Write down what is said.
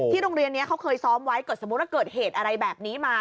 โรงเรียนนี้เขาเคยซ้อมไว้เกิดสมมุติว่าเกิดเหตุอะไรแบบนี้มา